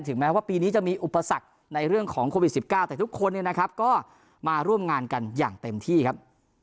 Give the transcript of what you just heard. แม้ว่าปีนี้จะมีอุปสรรคในเรื่องของโควิด๑๙แต่ทุกคนเนี่ยนะครับก็มาร่วมงานกันอย่างเต็มที่ครับ